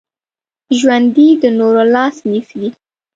ژوندي د نورو لاس نیسي